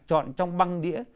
chọn trong băng đĩa